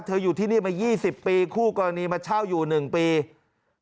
เธออยู่ที่นี้มายี่สิบปีคู่กรณีมาเช่าอยู่หนึ่งปี